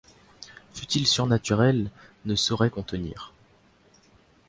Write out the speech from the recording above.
Fût-il surnaturel, ne saurait contenir !